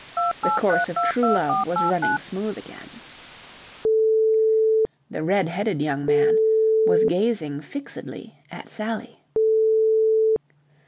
The course of true love was running smooth again. The red headed young man was gazing fixedly at Sally.